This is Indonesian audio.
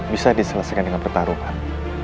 bisa diselesaikan dengan pertarungan